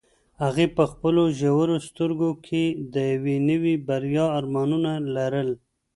هغې په خپلو ژورو سترګو کې د یوې نوې بریا ارمانونه لرل.